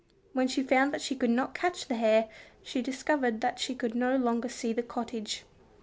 When she found that she could not catch the hare, she discovered that she could no longer see the cottage.